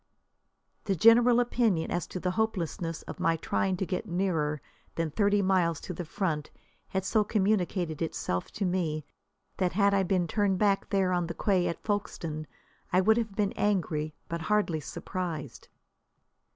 The general opinion as to the hopelessness of my trying to get nearer than thirty miles to the front had so communicated itself to me that had I been turned back there on the quay at Folkstone, I would have been angry, but hardly surprised.